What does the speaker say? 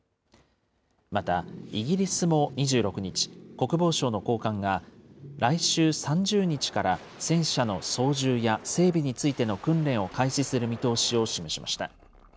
また、イギリスも２６日、国防省の高官が、来週３０日から戦車の操縦や整備についての訓練を開始する見通しを示しました。